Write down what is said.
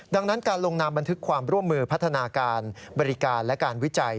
ดังนั้นการลงนามบันทึกความร่วมมือพัฒนาการบริการและการวิจัย